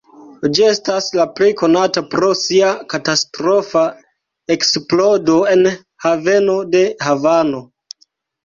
Ĝi estas plej konata pro sia katastrofa eksplodo en haveno de Havano.